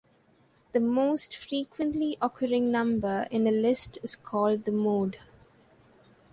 The most frequently occurring number in a list is called the mode.